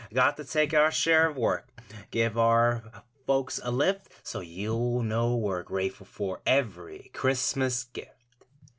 Got to take our share of work, Give our folks a lift. So you'll know we're grateful for Every Christmas gift.